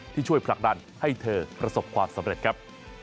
ช่วยผลักดันให้เธอประสบความสำเร็จครับ